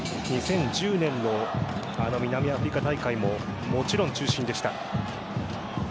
２０１０年の南アフリカ大会ももちろん中心でした。